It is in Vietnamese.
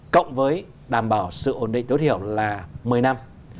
cộng với đảm bảo sự ổn định tối thiểu là một mươi năm